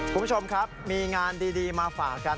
คุณผู้ชมครับมีงานดีมาฝากกัน